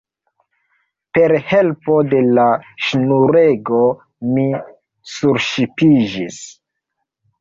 Per helpo de la ŝnurego mi surŝipiĝis.